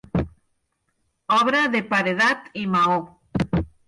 Obra de paredat i maó.